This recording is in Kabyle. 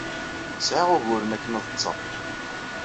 Sɛiɣ uguren akken ad ḍḍseɣ.